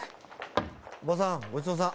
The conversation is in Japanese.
おばさんごちそうさん。